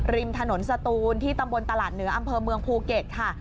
ริมถนนสตูนที่ตำบลตลาดเหนืออำเภอเมืองภูเก็ตค่ะ